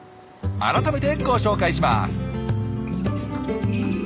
改めてご紹介します。